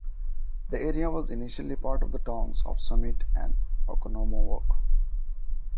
The area was initially a part of the towns of Summit and Oconomowoc.